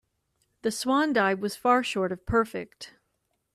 The swan dive was far short of perfect.